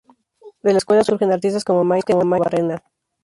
De la escuela surgen artistas como Maite Arruabarrena.